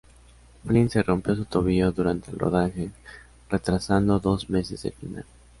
Flynn se rompió su tobillo durante el rodaje, retrasando dos meses el final.